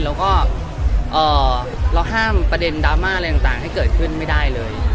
แล้วก็เราห้ามประเด็นดราม่าอะไรต่างให้เกิดขึ้นไม่ได้เลย